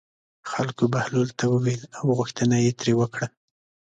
خلکو بهلول ته وویل او غوښتنه یې ترې وکړه.